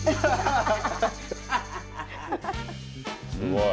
すごい。